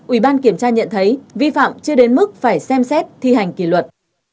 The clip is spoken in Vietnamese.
ủy ban kiểm tra nhận thấy vi phạm chưa đến mức phải xem xét thi hành kỷ luật